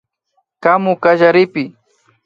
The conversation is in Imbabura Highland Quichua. Kamu kallaripi